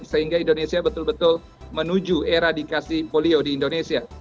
sehingga indonesia betul betul menuju era dikasih polio di indonesia